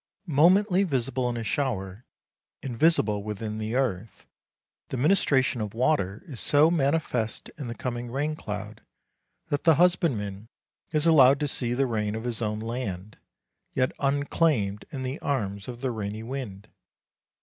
Momently visible in a shower, invisible within the earth, the ministration of water is so manifest in the coming rain cloud that the husbandman is allowed to see the rain of his own land, yet unclaimed in the arms of the rainy wind.